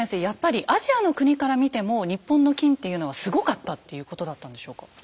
やっぱりアジアの国から見ても日本の金っていうのはすごかったっていうことだったんでしょうか？